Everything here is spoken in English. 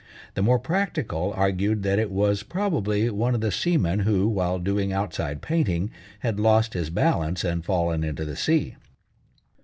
The more practical argued that it was probably one of the seamen who, while doing outside painting, had lost his balance and fallen into the sea.